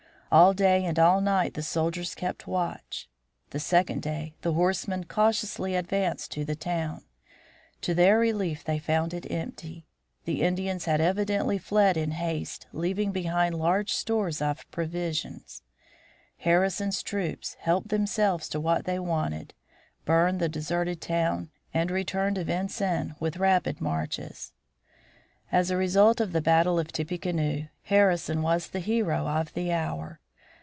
All day and all night the soldiers kept watch. The second day, the horsemen cautiously advanced to the town. To their relief they found it empty. The Indians had evidently fled in haste, leaving behind large stores of provisions. Harrison's troops helped themselves to what they wanted, burned the deserted town, and returned to Vincennes with rapid marches. [Illustration: BATTLE OF TIPPECANOE] As a result of the battle of Tippecanoe, Harrison was the hero of the hour.